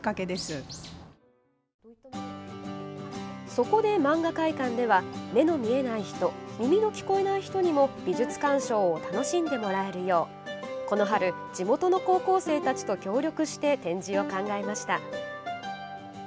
そこで漫画会館では目の見えない人耳の聞こえない人にも美術鑑賞を楽しんでもらえるようこの春地元の高校生たちと協力して展示を考えました。